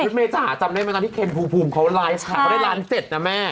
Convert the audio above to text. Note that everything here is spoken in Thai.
เมจ๋าจำได้ไหมตอนที่เคนภูมิเขาไลฟ์ข่าวเขาได้ล้านเจ็ดนะแม่